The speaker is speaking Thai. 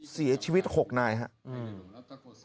เสียชีวิต๖นายครับ